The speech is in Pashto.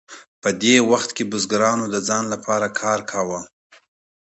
په دې وخت کې بزګرانو د ځان لپاره کار کاوه.